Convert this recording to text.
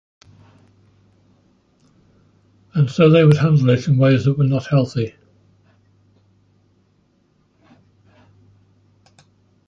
And so they would handle it in ways that were not healthy.